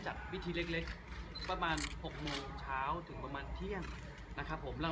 จัดวิธีเล็กประมาณ๖โมงถึงเตียง